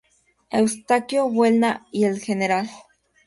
Eustaquio Buelna y el Gral.